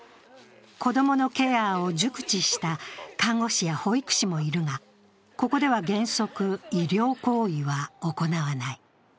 子供のケアを熟知した看護師や保育士もいるが、ここでは原則、医療行為は行わない。